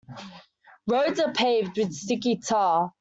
Roads are paved with sticky tar.